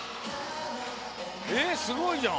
えっすごいじゃん！